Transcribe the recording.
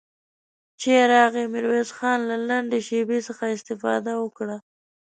چای راغی، ميرويس خان له لنډې شيبې څخه استفاده وکړه.